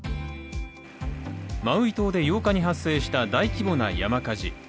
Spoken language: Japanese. マウイ島で８日に発生した大規模な山火事。